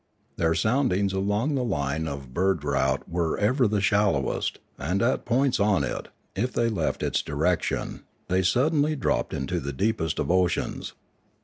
Their soundings along the line of bird route A Warning 633 were ever the shallowest, and at points on it, if they left its direction, they suddenly dropped into the deepest of oceans.